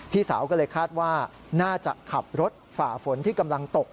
พี่สาวก็เลยคาดว่าน่าจะขับรถฝ่าฝนที่กำลังตก